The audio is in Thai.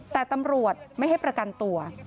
แต่ตำรวจไม่ให้ประกันตัว